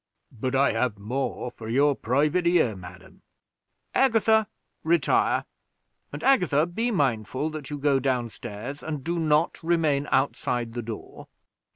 "But I have more for your private ear, madam." "Agatha, retire; and Agatha, be mindful that you go down stairs, and do not remain outside the door."